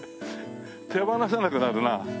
手放せなくなるなあ。